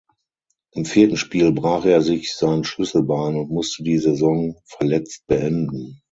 Im vierten Spiel brach er sich sein Schlüsselbein und musste die Saison verletzt beenden.